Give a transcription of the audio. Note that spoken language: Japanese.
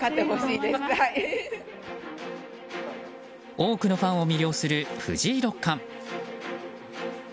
多くのファンを魅了する藤井六冠。